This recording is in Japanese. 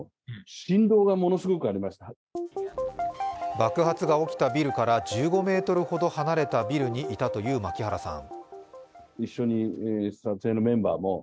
爆発が起きたビルから１５ｍほど離れたビルにいたという槙原さん。